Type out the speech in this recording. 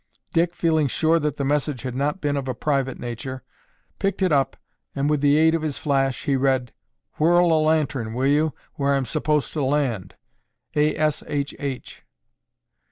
Dick, feeling sure that the message had not been of a private nature, picked it up and with the aid of his flash he read: "Whirl a lantern, will you, where I'm supposed to land. A. S. H. H."